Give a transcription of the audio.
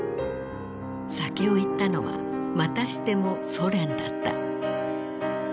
先を行ったのはまたしてもソ連だった。